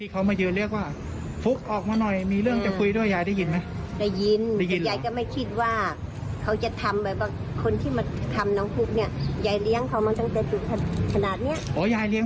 เค้าจะทำไม้บากคนที่มาทำหนังฮุฑเนี่ย